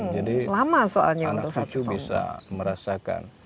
jadi anak cucu bisa merasakan